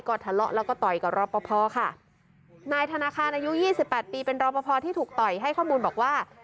ก็ทะเลาะแล้วก็ต่อยกับรอปภค่ะนายธนาคารอายุยี่สิบแปดปีเป็นรอปภที่ถูกต่อยให้ข้อมูลบอกว่า